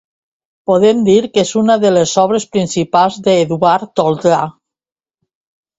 Podem dir que és una de les obres principals d'Eduard Toldrà.